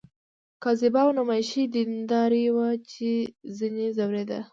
کاذبه او نمایشي دینداري وه ځنې ځورېده.